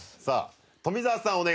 さあ富澤さん